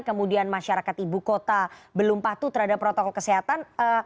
kemudian masyarakat ibu kota belum patuh terhadap protokol kesehatan